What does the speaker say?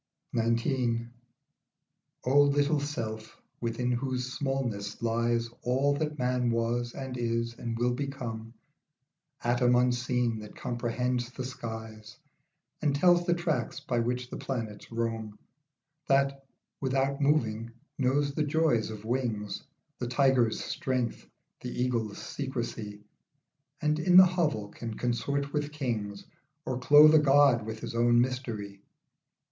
22 XIX. O LITTLE self, within whose smallness lies All that man was, and is, and will become, Atom unseen that comprehends the skies And tells the tracks by which the planets roam ; That, without moving, knows the joys of wings, The tiger's strength, the eagle's secrecy, And in the hovel can consort with kings, Or clothe a God with his own mystery.